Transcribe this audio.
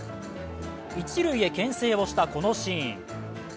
一塁へけん制をしたこのシーン。